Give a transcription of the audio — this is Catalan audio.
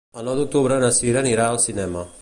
El nou d'octubre na Sira anirà al cinema.